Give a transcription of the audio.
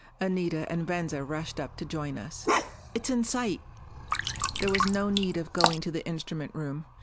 Anita and Venza rushed up to join us. "It's in sight!" There was no need of going to the instrument room.